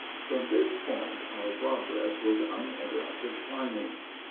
From this point, our progress was uninterrupted climbing.